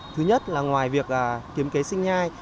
thứ nhất là ngoài việc kiếm kế sinh nhai